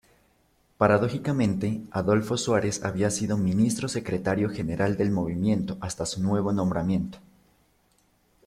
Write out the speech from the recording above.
Paradójicamente, Adolfo Suárez había sido Ministro-Secretario general del Movimiento hasta su nuevo nombramiento.